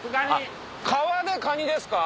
川のカニですか？